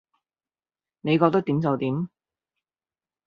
你覺得點就點